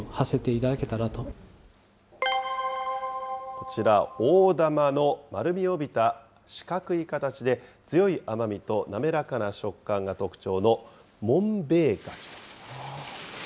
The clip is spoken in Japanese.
こちら、大玉の丸みを帯びた四角い形で強い甘みとなめらかな食感が特徴の紋平柿。